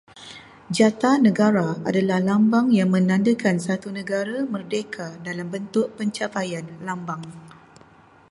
Jata negara adalah lambang yang menandakan satu negara merdeka dalam bentuk pencapaian lambang